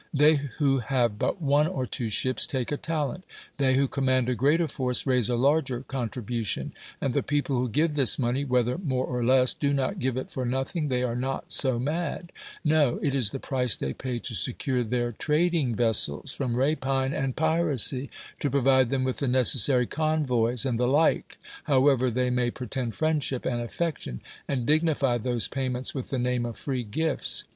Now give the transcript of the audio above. They who have but one or two ships take a talent; they who command a greater force raise a larger contribution; and the people who give this money, whether more or less, do not give it for nothing (they are not so mad) ; no, it is the price they pay to secure their trading vessels from rapine and ])iracy, to i)rovide them with the necessary convoys, and the like, however, they may pretend friendship and affection, and dignify those j)aymei)ts with the name of free gifts.